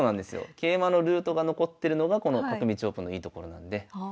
桂馬のルートが残ってるのがこの角道オープンのいいところなんで。